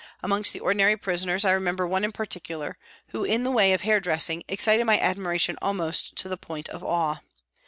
Amongst the ordinary prisoners I remember one in particular who, in the way of hair dressing, excited my admira tion almost to the point of awe.